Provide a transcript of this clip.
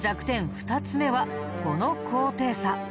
２つ目はこの高低差。